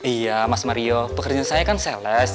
iya mas mario pekerjaan saya kan sales